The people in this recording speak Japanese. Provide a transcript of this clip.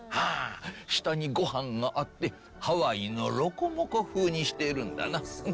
あ下にご飯があってハワイのロコモコ風にしているんだな。